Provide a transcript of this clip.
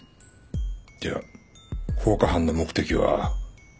じゃあ放火犯の目的は。